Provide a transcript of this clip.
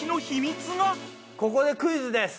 ここでクイズです。